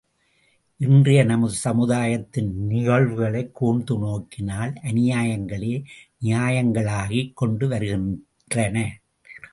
இன்றைய நமது சமுதாயத்தின் நிகழ்வுகளைக் கூர்ந்து நோக்கினால் அநியாயங்களே நியாயங்களாகிக் கொண்டு வருகின்றன்.